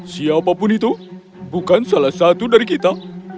siapapun itu bukan salah satu dari kita